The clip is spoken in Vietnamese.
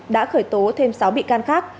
đã khởi tố thêm sáu bị can khác